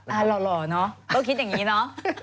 หล่อเนอะก็คิดอย่างนี้เนอะ